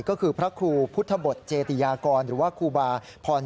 ก็คือพระครูพุทธบทเจติยากร